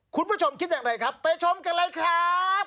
คุณผู้ชมคิดอย่างไรครับไปชมกันเลยครับ